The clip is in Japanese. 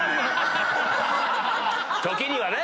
時にはね！